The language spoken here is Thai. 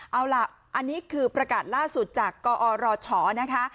เอาล่ะอันนี้คือประกาศล่าสุดจากกอรชนะคะ